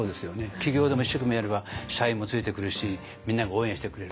企業でも一生懸命やれば社員もついてくるしみんなが応援してくれる。